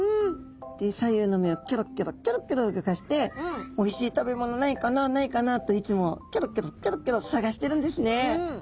左右の目をキョロキョロキョロキョロ動かしておいしい食べ物ないかなないかなといつもキョロキョロキョロキョロ探してるんですね。